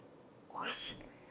おいしい。